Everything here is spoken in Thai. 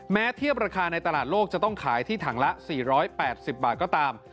แม้เทียบราคาในตลาดโลกจะต้องขายที่ถังละ๔๘๐บาทก็ตาม